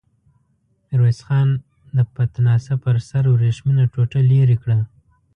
ميرويس خان د پتناسه پر سر ورېښمينه ټوټه ليرې کړه.